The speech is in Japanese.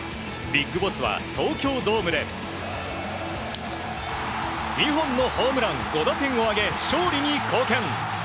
ＢＩＧＢＯＳＳは東京ドームで２本のホームラン５打点を挙げ勝利に貢献。